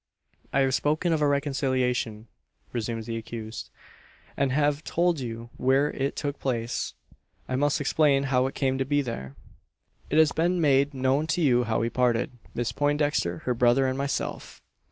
"I have spoken of a reconciliation," resumes the accused, "and have told you where it took place. I must explain how it came to be there. "It has been made known to you how we parted Miss Poindexter, her brother, and myself.